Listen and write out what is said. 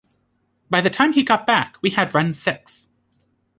By the time he got back we had run six.